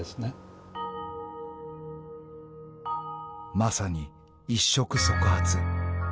［まさに一触即発］